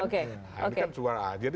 ini kan suara aja